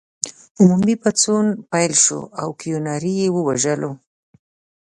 عمومي پاڅون پیل شو او کیوناري یې وواژه.